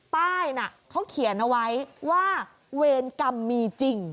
เขาเขียนเอาไว้ว่าเวรกรรมมีจริง